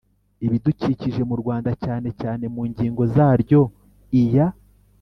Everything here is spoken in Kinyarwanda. Ibidukikije mu rwanda cyane cyane mu ngingo zaryo iya